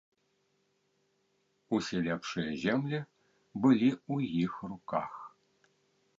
Усе лепшыя землі былі ў іх руках.